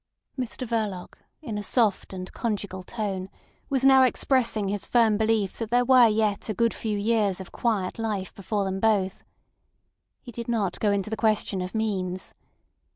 Mr Verloc, in a soft and conjugal tone, was now expressing his firm belief that there were yet a good few years of quiet life before them both. He did not go into the question of means.